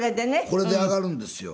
これで上がるんですよ。